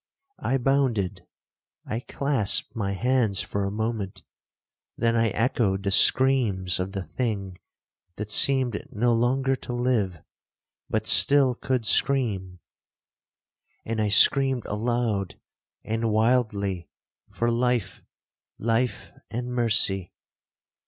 I bounded—I clasped my hands for a moment—then I echoed the screams of the thing that seemed no longer to live, but still could scream; and I screamed aloud and wildly for life—life—and mercy!